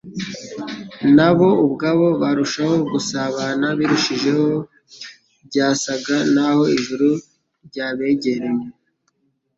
na bo ubwabo barushaho gusabana birushijeho. Byasaga naho ijuru ryabegereye,